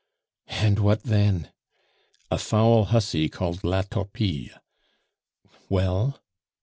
"And what then?" "A foul hussy called La Torpille " "Well?"